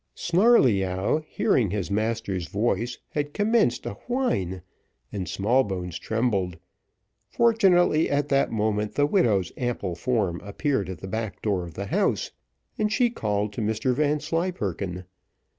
Snarleyyow hearing his master's voice, had commenced a whine, and Smallbones trembled: fortunately, at that moment, the widow's ample form appeared at the back door of the house, and she called to Mr Vanslyperken.